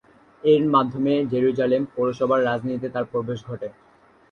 এর মাধ্যমে জেরুজালেম পৌরসভার রাজনীতিতে তার প্রবেশ ঘটে।